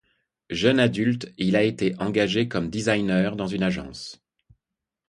Jeune adulte, il a été engagé comme designer dans une agence.